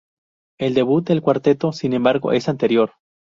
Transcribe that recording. El debut del cuarteto, sin embargo, es anterior.